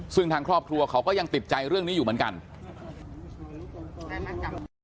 ซึ่งทางครอบครัวเขาก็ยังติดใจเรื่องนี้อยู่เหมือนกัน